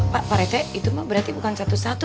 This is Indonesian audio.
pak pak rt itu mah berarti bukan satu satu